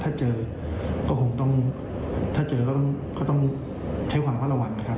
ถ้าเจอก็คงต้องถ้าเจอก็ต้องใช้ความว่าระวังนะครับ